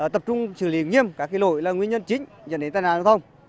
tập trung xử lý nghiêm các kỳ lỗi là nguyên nhân chính dẫn đến tài nạn giao thông